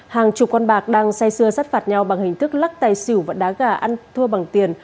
hàng chục con bạc đang say xưa sát phạt nhau bằng hình thức lắc tài xỉu và đá gà ăn thua bằng tiền